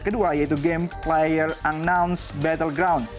peringkat kedua yaitu game player announced battleground